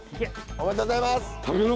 ありがとうございます！